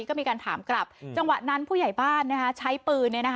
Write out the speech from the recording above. ก็มีการถามกลับจังหวะนั้นผู้ใหญ่บ้านใช้ปืน